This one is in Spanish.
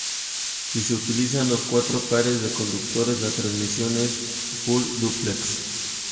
Si se utilizan los cuatro pares de conductores la transmisión es full-dúplex.